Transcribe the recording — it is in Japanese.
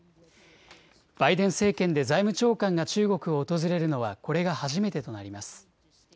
バイデン政権で財務長官が中国を訪れるのはこれが初めてとなります。